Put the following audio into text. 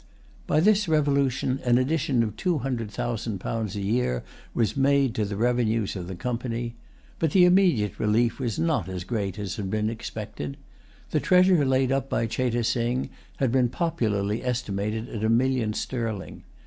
By this revolution, an addition of two hundred thousand pounds a year was made to the revenues of the Company. But the immediate relief was not as great as had been expected. The treasure laid up by Cheyte Sing had been popularly estimated at a million sterling.